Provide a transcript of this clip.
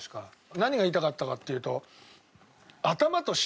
何が言いたかったかっていうと。